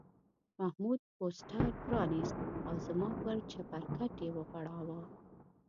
محمود پوسټر پرانیست او زما پر چپرکټ یې وغوړاوه.